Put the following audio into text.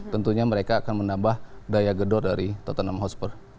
tentunya mereka akan menambah daya gedor dari tottenham hotspur